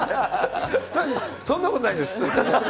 そんなことないです。